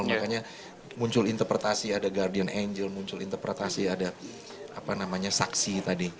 makanya muncul interpretasi ada guardian angel muncul interpretasi ada saksi tadi